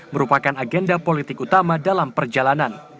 merupakan agenda politik utama dalam perjalanan